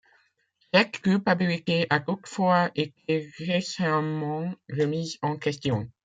Cette culpabilité a toutefois été récemment remise en question.